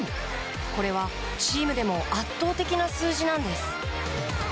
これは、チームでも圧倒的な数字なんです。